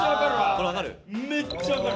これ分かる？